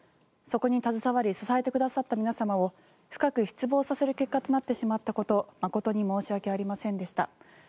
そこに携わり支えてくださった皆様を深く失望させる結果となってしまったこと誠に申し訳ありませんでした。